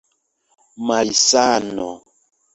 malsano